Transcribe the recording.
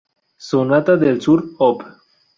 Sonata del sur op.